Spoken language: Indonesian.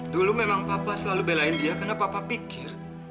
dulu memang papa selalu belain dia karena papa pikir